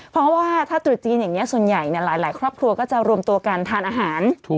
เพราะว่าถ้าตรุษจีนอย่างนี้ส่วนใหญ่หลายครอบครัวก็จะรวมตัวกันทานอาหาร